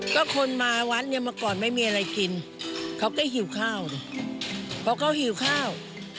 ก็คนมาวัดเนี่ยเมื่อก่อนไม่มีอะไรกินเขาก็หิวข้าวดิเพราะเขาหิวข้าว